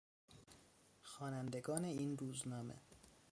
خوانندگان این روزنامه